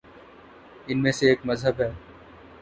ان میں سے ایک مذہب ہے۔